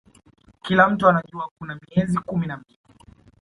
Kila mtu anajua kuna miezi kumi na mbili